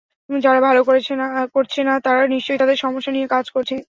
যারা ভালো করছে না, তারা নিশ্চয়ই তাদের সমস্যা নিয়ে কাজ করছে।